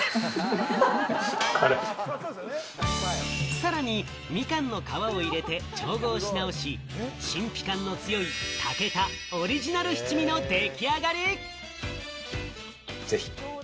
さらに、みかんの皮を入れて調合し直し、陳皮感の強い、武田オリジナル七味の出来上がり！